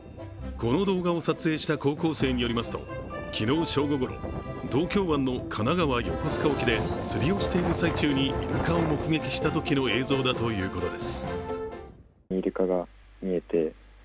この動画を撮影した高校生によりますと昨日正午ごろ、東京湾の神奈川横須賀沖で、釣りをしている最中にイルカを目撃したときの映像だということです。